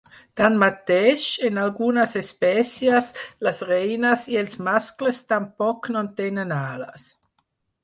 Tanmateix, en algunes espècies les reines i els mascles tampoc no tenen ales.